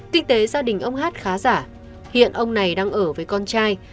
kinh tế gia đình ông hát khá giả hiện ông này đang ở với con trai